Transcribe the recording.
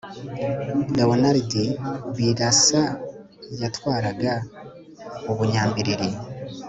leonardi birasa yatwaraga ubunyambiriri